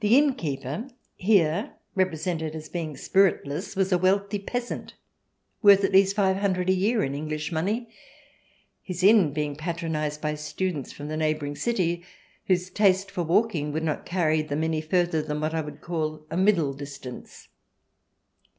The innkeeper, here represented as being spiritless, was a wealthy peasant worth at least five hundred a year in English money, his inn being patronized by students from the neighbouring city, whose taste for walking would not carry them any farther than what I would call a middle distance.